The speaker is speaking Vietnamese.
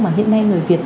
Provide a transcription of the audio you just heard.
mà hiện nay người việt